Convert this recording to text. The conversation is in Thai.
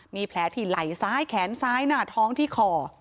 มีแผลที่ไหล่ซ้ายแขนซ้ายหน้าท้องที่คอ